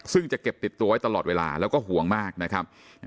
ซึ่งจะเก็บติดตัวไว้ตลอดเวลาแล้วก็ห่วงมากนะครับ